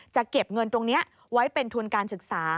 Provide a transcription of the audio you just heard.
จะเก็บเงินตรงนี้ไว้เป็นทุนการศึกษา